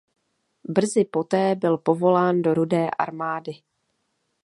Brzy poté byl povolán do Rudé armády.